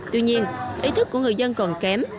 tuy nhiên ý thức của người dân còn kém